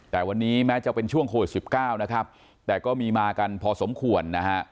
แต่วันนี้แม้จะเป็นช่วงโควิด๑๙นะครับแต่ก็มีมากันพอสมควรนะฮะ